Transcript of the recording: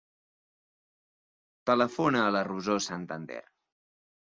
Telefona a la Rosó Santander.